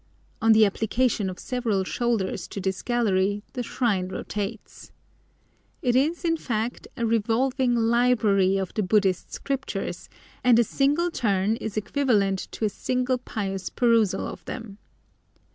On the application of several shoulders to this gallery the shrine rotates. It is, in fact, a revolving library of the Buddhist Scriptures, and a single turn is equivalent to a single pious perusal of them.